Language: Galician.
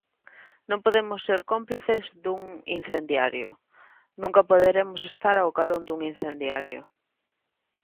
Non podemos ser cómplices dun incendiario, nunca poderemos estar ao carón dun incendiario.